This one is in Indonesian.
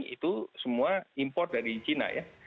itu semua impor dari cina ya